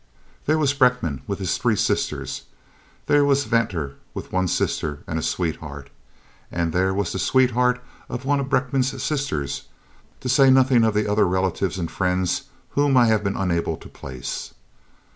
There was Brenckmann with his three sisters, there was Venter with one sister and a sweetheart, and there was the sweetheart of one of Brenckmann's sisters, to say nothing of the other relatives and friends whom I have been unable to place.